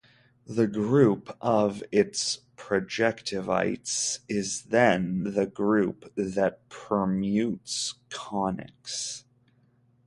The group of its projectivities is then the group that permutes conics.